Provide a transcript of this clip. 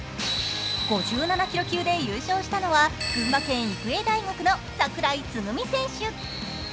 ５７キロ級で優勝したのは群馬県育英大学の櫻井つぐみ選手。